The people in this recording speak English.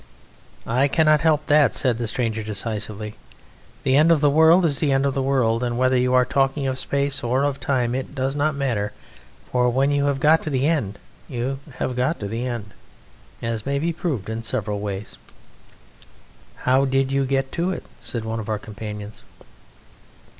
"I cannot help that," said the stranger decisively; "the End of the World is the End of the World, and whether you are talking of space or of time it does not matter, for when you have got to the end you have got to the end, as may be proved in several ways." "How did you get to it?" said one of our companions.